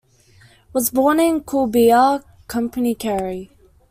Was born in Coolbeha, Company Kerry.